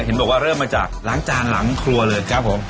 เห็นบอกว่าเริ่มมาจากล้างจานหลังครัวเลยครับผม